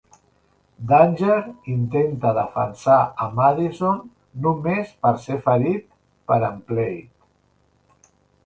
Danger intenta defensar a Madison només per ser ferit per Emplate.